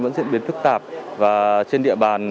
vẫn diễn biến phức tạp và trên địa bàn